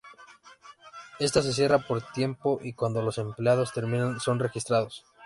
Está se cierra por tiempo y cuando todos los empleados terminan son registrados.